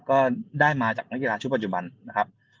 ก็ได้มาจากนักกีฬาชุดปัจจุบันนะครับ